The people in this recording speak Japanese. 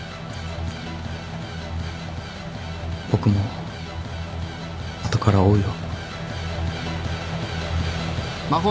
僕も後から追うよ。